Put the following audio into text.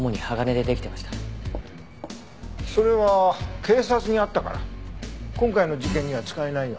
それは警察にあったから今回の事件には使えないよ。